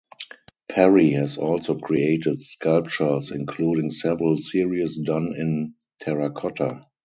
Perry has also created sculptures including several series done in terracotta.